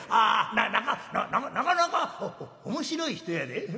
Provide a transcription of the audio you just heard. なかなかなかお面白い人やで。